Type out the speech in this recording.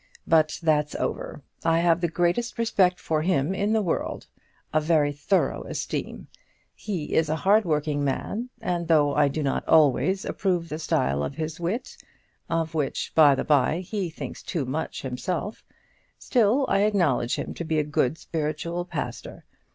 But that's over. I have the greatest respect for him in the world; a very thorough esteem. He is a hard working man, and though I do not always approve the style of his wit, of which, by the bye, he thinks too much himself, still I acknowledge him to be a good spiritual pastor.